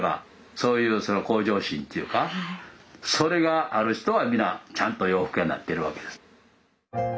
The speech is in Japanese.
そういう向上心っていうかそれがある人は皆ちゃんと洋服屋になってるわけです。